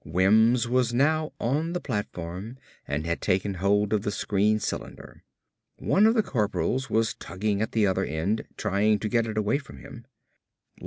Wims was now on the platform and had taken hold of the screen cylinder. One of the corporals was tugging at the other end, trying to get it away from him.